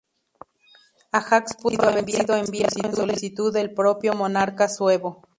Ajax pudo haber sido enviado en solicitud del propio monarca suevo.